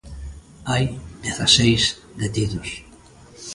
Hai dezaseis detidos.